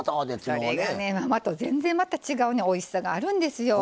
それがね生と全然また違うねおいしさがあるんですよ。